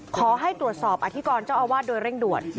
ขอให้ตรวจสอบอธิกรเจ้าอาวาสโดยเร่งด่วน